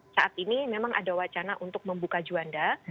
saat ini memang ada wacana untuk membuka juanda